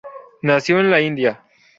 Nació en la India.